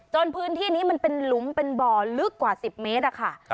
พื้นที่นี้มันเป็นหลุมเป็นบ่อลึกกว่า๑๐เมตรอะค่ะ